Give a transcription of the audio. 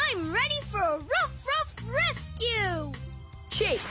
チェイス。